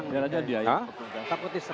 biar saja di ayah